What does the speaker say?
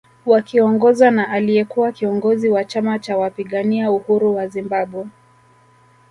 Wakiongozwa na aliyekuwa kiongozi wa chama cha wapigania uhuru wa Zimbabwe